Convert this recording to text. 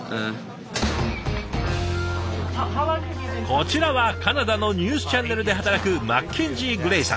こちらはカナダのニュースチャンネルで働くマッケンジー・グレイさん。